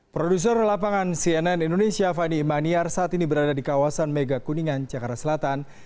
produser lapangan cnn indonesia fani maniar saat ini berada di kawasan mega kuningan jakarta selatan